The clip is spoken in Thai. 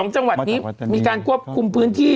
๒จังหวัดนี้มีการควบคุมพื้นที่